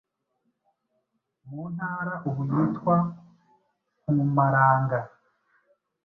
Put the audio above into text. mu ntara ubu yitwa Mpumalanga.